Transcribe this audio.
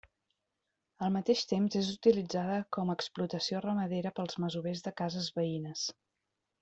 Al mateix temps és utilitzada com a explotació ramadera pels masovers de cases veïnes.